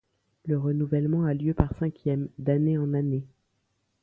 Le renouvellement a lieu par cinquième, d'année en année.